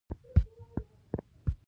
د پیرودونکي باور د تجارت ساه ده.